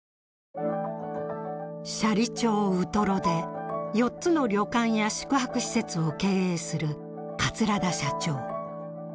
斜里町ウトロで４つの旅館や宿泊施設を経営する桂田社長。